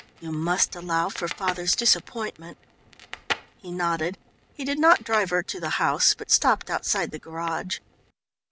You must allow for father's disappointment." He nodded. He did not drive her to the house, but stopped outside the garage.